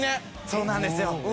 そうなんですよ。